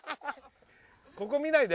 ここ見ないで。